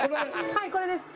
はいこれです。